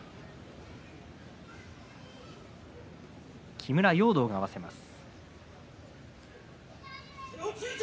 木村容堂が合わせます。